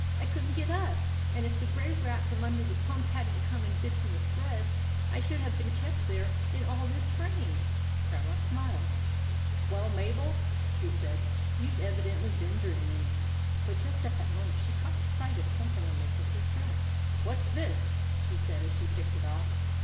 I could n't get up ; and if the Grey Rat from under the pump had n't come and bitten the threads, I should have been kept there in all this rain." Grandma smiled. GREY RAT UNDER THE PUMP 113 " Well, Mabel," she said, " you Ve evi dently been dreaming." But just at that moment she caught sight of something on Mabel's dress. "What's this?" she said, as she picked it off.